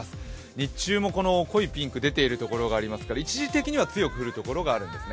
日中も濃いピンクが出ているところがありますから、一時的には強く降るところがあるんですね。